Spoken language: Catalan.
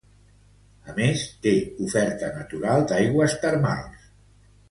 A més, té oferta natural d'aigües termals.